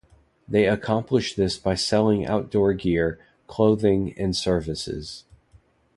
They accomplish this by selling outdoor gear, clothing, and services.